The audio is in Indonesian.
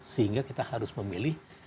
sehingga kita harus memilih